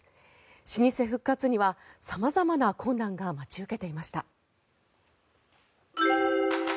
老舗復活には様々な困難が待ち受けていました。